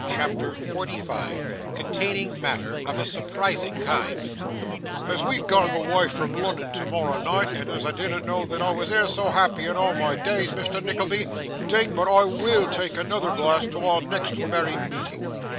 CHAPTER 45 Containing Matter of a surprising Kind 'As we gang awa' fra' Lunnun tomorrow neeght, and as I dinnot know that I was e'er so happy in a' my days, Misther Nickleby, Ding! but I WILL tak' anoother glass to our next merry meeting!